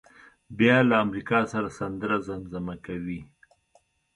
بیا له امریکا سره سندره زمزمه کوي.